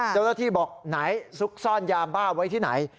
เจ้าหน้าที่บอกไหนซุกซ่อนยาบ้าไว้ที่ไหน